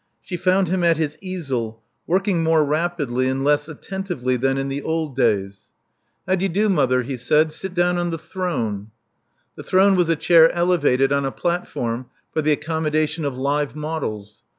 She found him at his easel, working more rapidly and less attentively than in the old days. 338 Love Among the Artists How d*ye do, mother/' he said. Sit down on the throne." The throne was a chair elevated on a platform for the accommodation of live models.